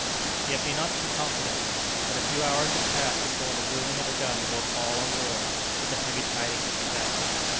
Yet be not too confident. But a few hours had passed before the booming of a gun awoke all on board with the heavy tidings of disaster.